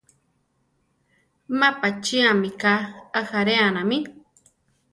Má pachía mika ajáreanami.